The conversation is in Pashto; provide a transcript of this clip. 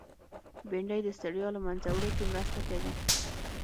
بېنډۍ د ستړیا له منځه وړو کې مرسته کوي